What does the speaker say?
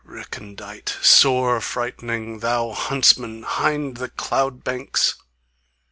Recondite! Sore frightening! Thou huntsman 'hind the cloud banks!